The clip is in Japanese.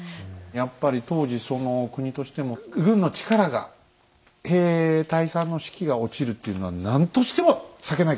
やっぱり当時国としても軍の力が兵隊さんの士気が落ちるっていうのは何としても避けなきゃいけなかった。